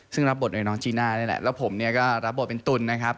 ซึ่งรับบทโดยน้องจีน่านี่แหละแล้วผมเนี่ยก็รับบทเป็นตุ๋นนะครับ